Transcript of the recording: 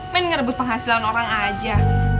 main ngerebut penghasilan orang aja